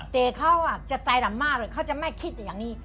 แต่เขาจะใจดำมากเลยเขาจะไม่คิดอย่างนี้